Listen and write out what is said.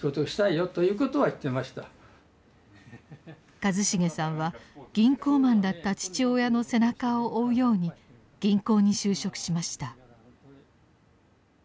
和重さんは銀行マンだった父親の背中を追うように銀行に就職しました。